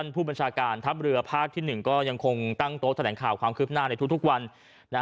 ผู้บัญชาการทัพเรือภาคที่๑ก็ยังคงตั้งโต๊ะแถลงข่าวความคืบหน้าในทุกวัน